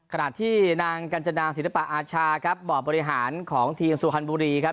ขณะที่นางกัญจนาศิลปะอาชาครับบ่อบริหารของทีมสุฮันบุรีครับ